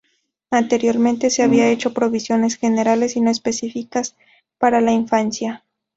Anteriormente se habían hecho provisiones generales y no específicas para la infancia.